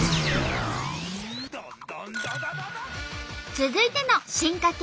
続いての進化形